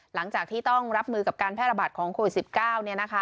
หลังจากที่ต้องรับมือกับการแพร่ระบาดของโควิด๑๙